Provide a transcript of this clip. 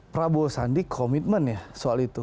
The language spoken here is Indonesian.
prabowo sandi komitmen ya soal itu